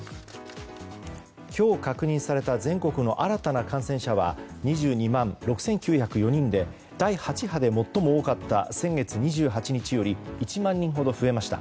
今日確認された全国の新たな感染者は２２万６９０４人で第８波で最も多かった先月２８日より１万人ほど増えました。